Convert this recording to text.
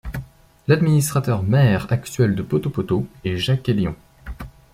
L'administrateur-Maire actuel de Poto-Poto est Jacques Elion.